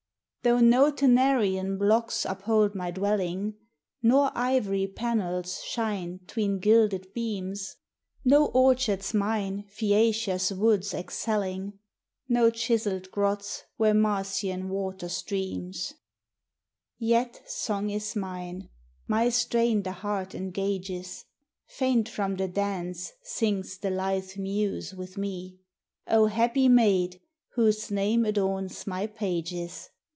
Though no Taenarian blocks uphold my dwelling, Nor ivory panels shine 'tween gilded beams ; No orchards mine Phaeacia's woods excelling, No chiselled grots where Marcian water streams,— Yet Song is mine ; my strain the heart engages ; Faint from the dance sinks the lithe Muse with me : O happy maid whose name adorns my pages